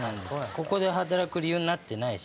ここで働く理由になってないし。